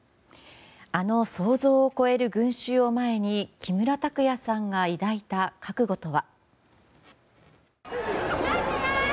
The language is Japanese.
あの想像を超える群衆を前に木村拓哉さんが抱いた覚悟とは。